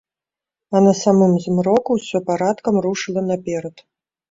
А на самым змроку ўсё парадкам рушыла наперад.